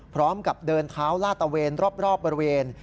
พร้อมกับเดินเท้าลาดตะเวนรอบบริเวณ